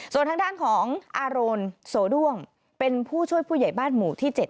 ส่วนทางด้านของอาโรนโสด้วงเป็นผู้ช่วยผู้ใหญ่บ้านหมู่ที่๗